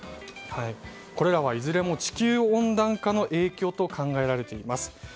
これらは、いずれも地球温暖化の影響と考えられています。